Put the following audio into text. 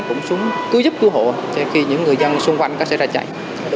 cũng cứu giúp cứu hộ cho khi những người dân xung quanh có thể ra cháy